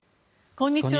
こんにちは。